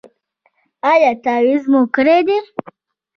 ایا تعویذ مو کړی دی؟